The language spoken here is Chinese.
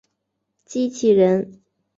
机器人。